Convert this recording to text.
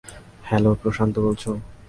Hello, Prashanta বলছো?